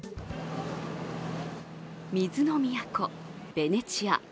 水の都・ベネチア。